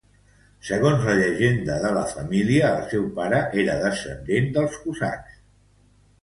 Segons la llegenda de la família, el seu pare era descendent dels cosacs zaporoges.